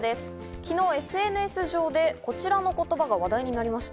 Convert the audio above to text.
昨日、ＳＮＳ上でこちらの言葉が話題になりました。